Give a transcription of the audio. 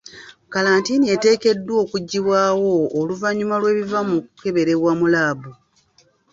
Kalantiini eteekeddwa okuggibwawo oluvannyuma lw'ebiva mu kukeberebwa mu laabu.